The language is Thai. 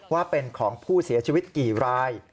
ว่าเป็นของผู้เสียชีวิตกี่ราย